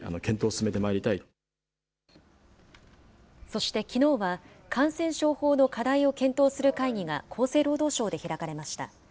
そしてきのうは、感染症法の課題を検討する会議が厚生労働省で開かれました。